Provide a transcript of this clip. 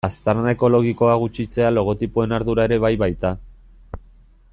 Aztarna ekologikoa gutxitzea logotipoen ardura ere bai baita.